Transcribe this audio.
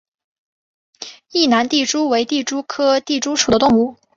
异囊地蛛为地蛛科地蛛属的动物。